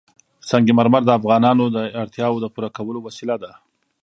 سنگ مرمر د افغانانو د اړتیاوو د پوره کولو وسیله ده.